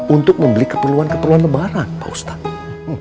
untuk membeli keperluan keperluan lebaran pak ustadz